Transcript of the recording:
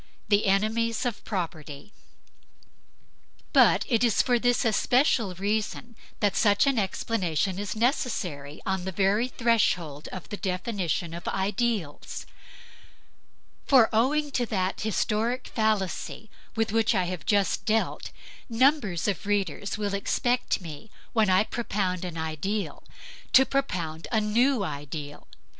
THE ENEMIES OF PROPERTY But it is for this especial reason that such an explanation is necessary on the very threshold of the definition of ideals. For owing to that historic fallacy with which I have just dealt, numbers of readers will expect me, when I propound an ideal, to propound a new ideal.